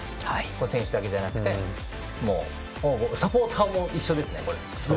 選手だけじゃなくてサポーターも一緒ですね、これ。